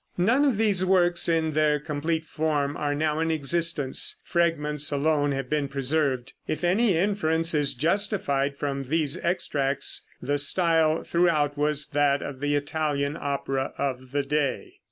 None of these works in their complete form are now in existence; fragments alone have been preserved. If any inference is justified from these extracts the style throughout was that of the Italian opera of the day.